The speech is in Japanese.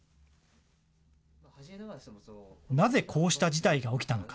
なぜ、こうした事態が起きたのか。